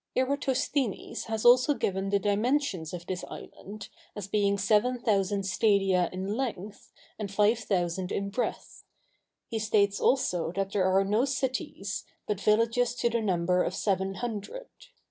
Eratosthenes has also given the dimensions of this island, as being seven thousand stadia in length, and five thousand in breadth: he states also that there are no cities, but villages to the number of seven hundred.